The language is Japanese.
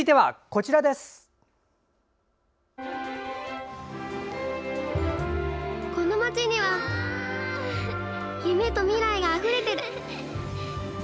この街には夢と未来があふれてる。